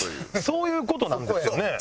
そういう事なんですよね？